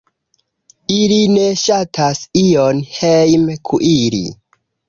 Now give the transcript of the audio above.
Ili ne ŝatas ion hejme kuiri.